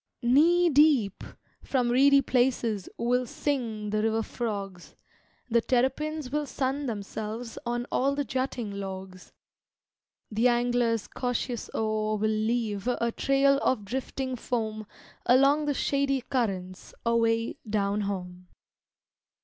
"Knee deep!" from reedy places Will sing the river frogs. The terrapins will sun themselves On all the jutting logs. The angler's cautious oar will leave A trail of drifting foam Along the shady currents Away down home.